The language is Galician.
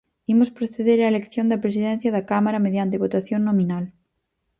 Imos proceder á elección da Presidencia da Cámara mediante votación nominal.